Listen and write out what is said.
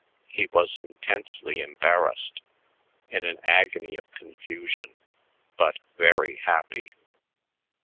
He was intensely embarrassed, in an agony of confusion but very happy.